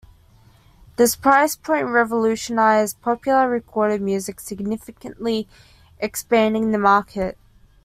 This price point revolutionized popular recorded music, significantly expanding the market.